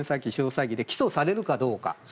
詐欺で起訴されるかどうか。